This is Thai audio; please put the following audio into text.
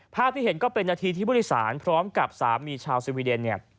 ภาพที่เห็นก็เป็นหน้าทีที่บุริษันพร้อมกับสามีชาวสวีเดน